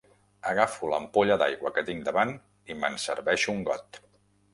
Agafo l'ampolla d'aigua que tinc davant i me'n serveixo un got.